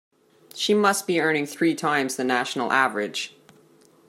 She must be earning three times the national average.